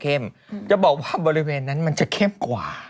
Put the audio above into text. ก็เข้มจะบอกว่าบริเวณนั้นมันจะเค็มกว่า